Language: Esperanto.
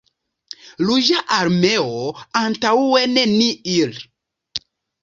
Ruĝa armeo, antaŭen ni ir'!